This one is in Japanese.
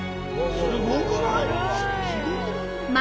すごくない？